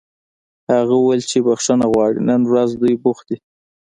هغه وویل چې بښنه غواړي نن ورځ دوی بوخت دي